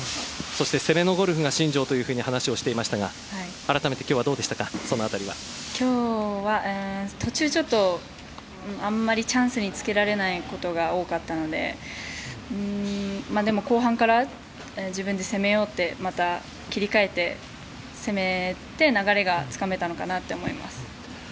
そして攻めのゴルフが信条というふうに話をしていましたがあらためて今日は途中、ちょっとあまりチャンスにつけられないことが多かったのででも、後半から自分で攻めようと切り替えて攻めて流れがつかめたのかなと思います。